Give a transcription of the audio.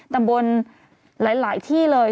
ตำบลหลายที่เลย